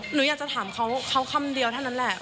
หนูอยากจะถามเขาอันนี้เขาคำเดียวแทนนั้นแหละ